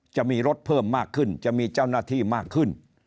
จะมีรถเพิ่มมากขึ้นจะมีเจ้าหน้าที่มากขึ้น